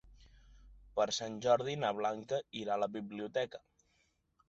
Per Sant Jordi na Blanca irà a la biblioteca.